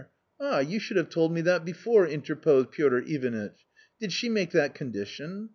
a h ! you should have told me that before !" interposed Piotr Ivanitch ; "did she make that condition?